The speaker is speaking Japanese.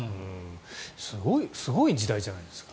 すごい時代じゃないですか。